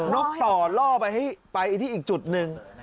นกต่อล่อไปที่อีกจุดหนึ่ง